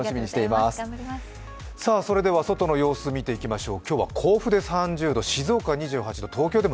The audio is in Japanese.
それでは外の様子を見ていきましょう。